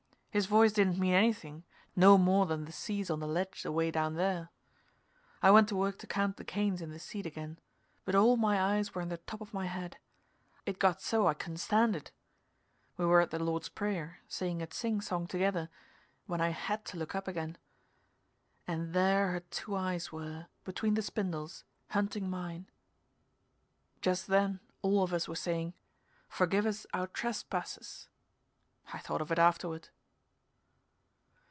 His voice didn't mean anything, no more than the seas on the ledge away down there. I went to work to count the canes in the seat again, but all my eyes were in the top of my head. It got so I couldn't stand it. We were at the Lord's prayer, saying it singsong together, when I had to look up again. And there her two eyes were, between the spindles, hunting mine. Just then all of us were saying, "Forgive us our trespasses " I thought of it afterward.